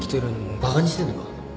バカにしてんのか？